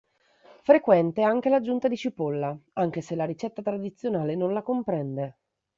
Frequente anche l'aggiunta di cipolla, anche se la ricetta tradizionale non la comprende.